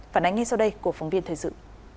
phản ánh ngay sau đây của phóng viên thời sự